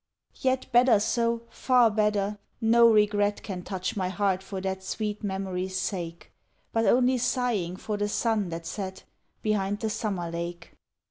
Yet better so, far better, no regret Can touch my heart for that sweet memory's sake, But only sighing for the sun that set Behind the summer lake.